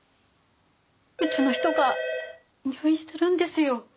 うちの人が入院してるんですよ。